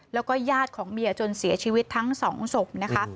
แล้วก็ญาติของเมียจนเสียชีวิตทั้งสองศพนะคะ